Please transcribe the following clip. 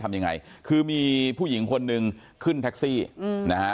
ทำยังไงคือมีผู้หญิงคนนึงขึ้นแท็กซี่นะฮะ